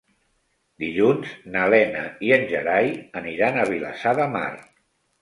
Dilluns na Lena i en Gerai aniran a Vilassar de Mar.